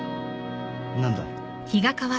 何だ？